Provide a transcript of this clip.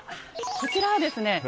こちらはですね